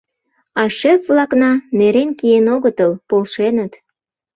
А шеф-влакна нерен киен огытыл, полшеныт.